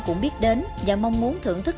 cũng biết đến và mong muốn thưởng thức